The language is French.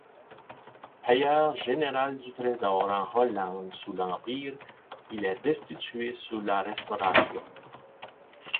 Payeur général du Trésor en Hollande sous l'Empire, il est destitué sous la Restauration.